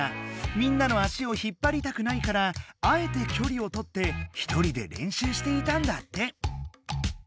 みんなの足を引っぱりたくないからあえてきょりをとってひとりで練習していたんだって。